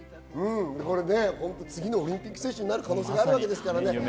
次のオリンピック選手になる可能性があるわけですからね。